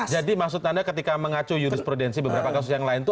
jadi maksud anda ketika mengacu yudist prudensi beberapa kasus yang lain itu